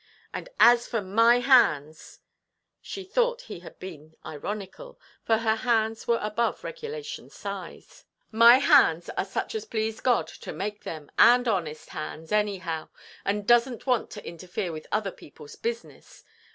And as for my hands"—she thought he had been ironical, for her hands were above regulation size—"my hands are such as pleased God to make them, and honest hands, anyhow, and doesnʼt want to interfere with other peopleʼs business.